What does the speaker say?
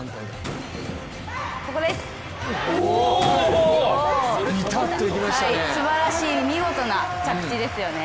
ここです、すばらしい見事な着地ですよね。